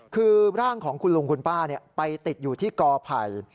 คือร่างของคุณลุงคุณป้าไปติดอยู่ที่กอไผ่